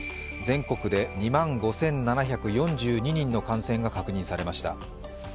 全国で２万５７４２人の感染が確認されました。